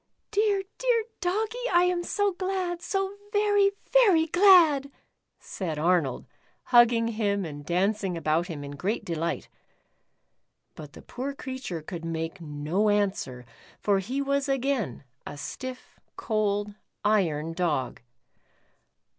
" Dear, dear Doggie, I am so glad, so very, very glad," said Arnold, hugging him and dancing about him in great delight. But the poor creature could make no answer, for he was again a stiff, cold, iron Dog.